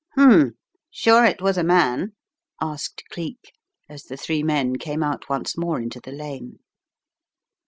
"IFm! Sure it was a man?" asked Cleek, as the three men came out once more into the lane.